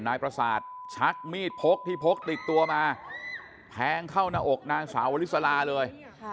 นายประสาทชักมีดพกที่พกติดตัวมาแทงเข้าหน้าอกนางสาววลิสลาเลย